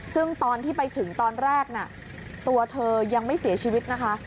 ซึ่งตอนที่ไปถึงตอนแรกน่ะตัวเธอยังไม่เสียชีวิตนะคะ